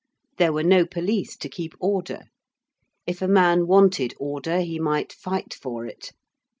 There were no police to keep order: if a man wanted order he might fight for it.